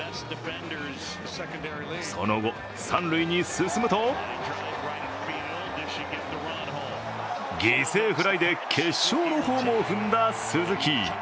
その後、三塁に進むと犠牲フライで決勝のホームを踏んだ鈴木。